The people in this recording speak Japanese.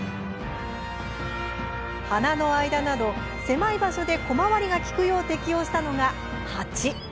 花の間など、狭い場所で小回りが利くよう適応したのがハチ。